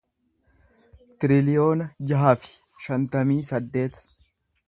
tiriliyoona jaha fi shantamii saddeet